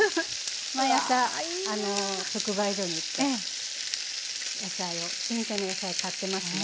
毎朝直売所に行って新鮮な野菜を買ってますね。